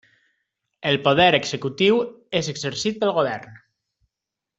El poder executiu és exercit pel Govern.